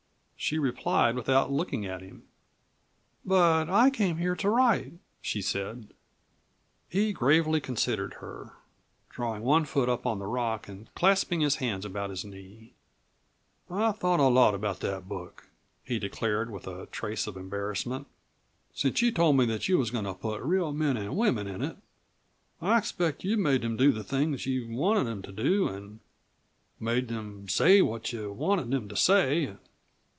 She replied without looking at him. "But I came here to write," she said. He gravely considered her, drawing one foot up on the rock and clasping his hands about the knee. "I've thought a lot about that book," he declared with a trace of embarrassment, "since you told me that you was goin' to put real men an' women in it. I expect you've made them do the things that you've wanted them to do an' made them say what you wanted them to say.